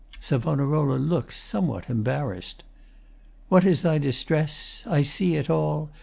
[SAV. looks somewhat embarrassed.] What is thy distress? I see it all!